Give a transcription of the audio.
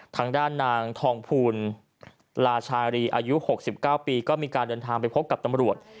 ทางด้านนางทองภูลราชารีอายุ๖๙ปีก็มีการเดินทางไปพบกับตำรวจ